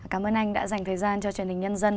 cảm ơn anh đã dành thời gian cho truyền hình nhân dân